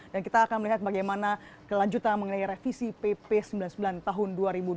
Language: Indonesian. dan kita akan melihat bagaimana kelanjutan mengenai revisi pp sembilan puluh sembilan tahun dua ribu dua belas